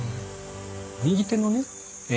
右手のね